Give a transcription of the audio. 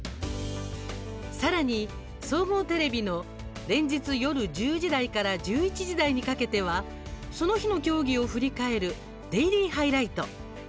さらに、総合テレビの連日、夜１０時台から１１時台にかけてはその日の競技を振り返る「デイリーハイライト」。